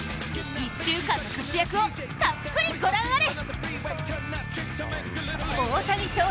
１週間の活躍をたっぷり御覧あれ。